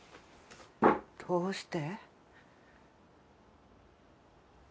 どうして？